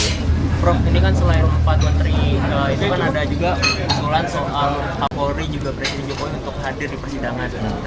prof ini kan selain empat menteri itu kan ada juga usulan soal kapolri juga presiden jokowi untuk hadir di persidangan